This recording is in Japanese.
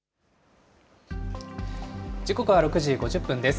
時刻は６時５０分です。